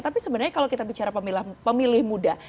tapi sebenarnya kalau kita bicara pemilih muda